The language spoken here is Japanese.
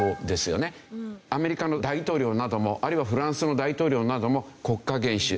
アメリカの大統領などもあるいはフランスの大統領なども国家元首。